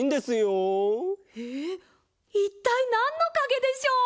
いったいなんのかげでしょう？